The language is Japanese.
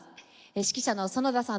指揮者の園田さん